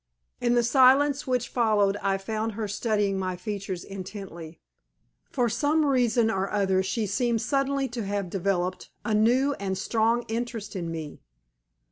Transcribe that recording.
In the silence which followed I found her studying my features intently. For some reason or other she seemed suddenly to have developed a new and strong interest in me.